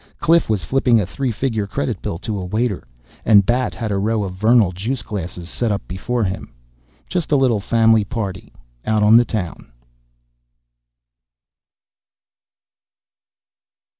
Cliff was flipping a three figure credit bill to a waiter. And Bat had a row of Vernal juice glasses set up before him. Just a little family party out on the town.